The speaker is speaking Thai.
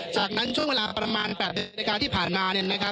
จากนั้นช่วงเวลาประมาณ๘นาฬิกาที่ผ่านมา